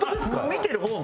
見てる方も？